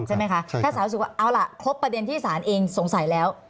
ใช่ไหมคะถ้าสารรู้สึกว่าเอาล่ะครบประเด็นที่ศาลเองสงสัยแล้ว